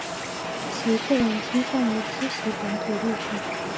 其个人倾向于支持本土立场。